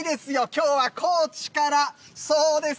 きょうは高知からそうです。